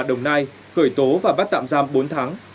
đồng nai khởi tố và bắt tạm giam bốn tháng